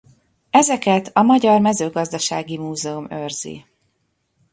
Ezeket a Magyar Mezőgazdasági Múzeum őrzi.